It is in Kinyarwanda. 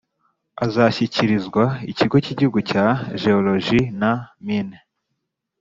Azashyikirizwa Ikigo cy’Igihugu cya Jeworoji na Mine